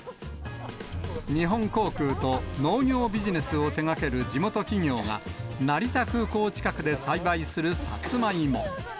日本航空と農業ビジネスを手がける地元企業が、成田空港近くで栽培するサツマイモ。